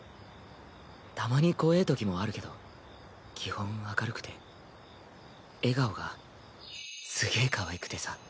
たまに怖ぇときもあるけど基本明るくて笑顔がすげぇかわいくてさ。